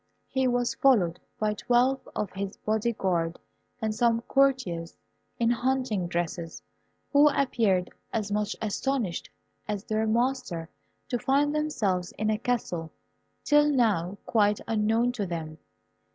He was followed by twelve of his body guard, and some courtiers in hunting dresses, who appeared as much astonished as their master to find themselves in a castle till now quite unknown to them.